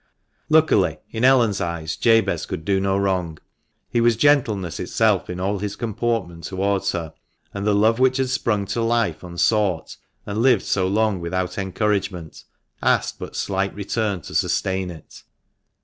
Luckily, in Ellen's eyes, Jabez could do no wrong ; he was gentleness itself in all his comportment towards her, and the love which had sprung to life unsought, and lived so long without encouragement, asked but slight return to sustain it.